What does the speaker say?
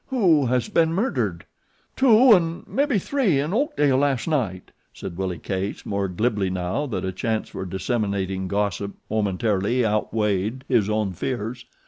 "Who has been murdered?" "Two an' mebby three in Oakdale last night," said Willie Case more glibly now that a chance for disseminating gossip momentarily outweighed his own fears.